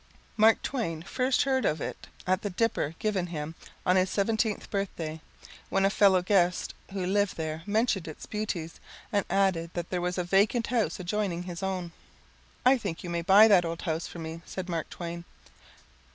Mark Twain first heard of it at the dipper given him on his seventeenth birthday, when a fellow gaest who lived there mentioned its beauties and added that there was a vacant house adjoining his own, "I think you may buy that old house for me," said Mark Twain.